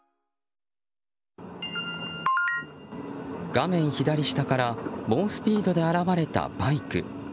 画面左下から猛スピードで現れたバイク。